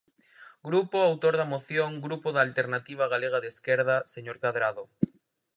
Grupo autor da moción, Grupo da Alternativa Galega de Esquerda, señor Cadrado.